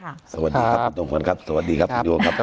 สวัสดีครับคุณจอมขวัญครับสวัสดีครับคุณโยมครับ